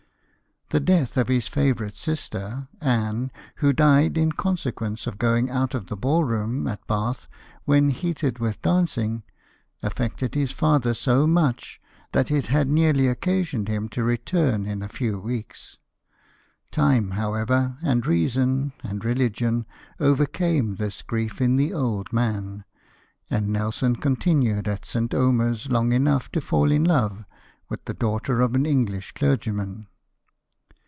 The death of his favourite sister, Anne, who died in consequence of going out of the ball room, at Bath, when heated with dancing, affected his father so much, that it had nearly occasioned him to return in a few weeks. Time, however, and reason and religion, overcame this grief in the old man: and Nelson continued at St. Omer's long enough to fall in love with the daughter of an English clergyman.